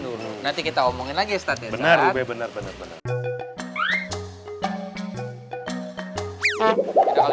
dulu nanti kita omongin lagi setelah benar benar bener bener